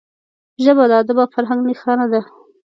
ژبه د ادب او فرهنګ نښانه ده